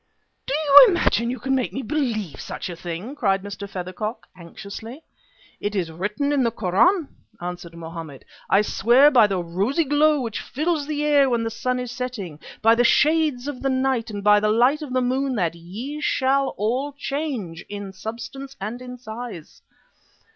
"Do you imagine you can make me believe such a thing?" cried Mr. Feathercock anxiously. "It is written in the Koran," answered Mohammed: "'I swear by the rosy glow which fills the air when the sun is setting, by the shades of the night, and by the light of the moon, that ye shall all change, in substance and in size!'